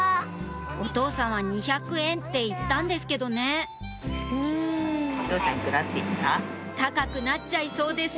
お父さんは２００円って言ったんですけどね高くなっちゃいそうです